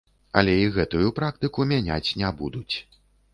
Але і гэтую практыку мяняць не будуць.